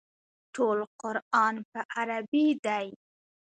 ټول قران په عربي دی.